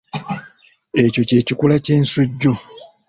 Ekyo kye kikula ky’ensujju.